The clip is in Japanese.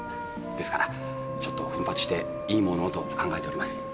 ですからちょっと奮発していいものをと考えております。